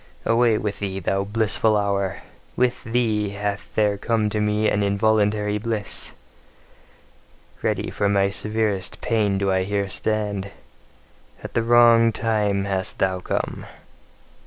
Away with thee, thou blissful hour! With thee hath there come to me an involuntary bliss! Ready for my severest pain do I here stand: at the wrong time hast thou come!